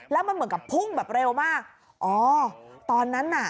แล้วมันเหมือนกับพุ่งแบบเร็วมากอ๋อตอนนั้นน่ะ